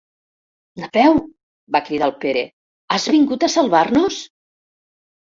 Napeu! —va cridar el Pere— Has vingut a salvar-nos?